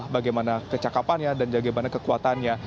bagaimana kecakapannya dan bagaimana kekuatannya